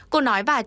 cô nói và cho biết